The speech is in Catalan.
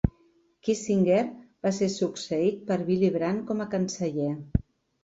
Kiesinger va ser succeït per Willy Brandt com a canceller.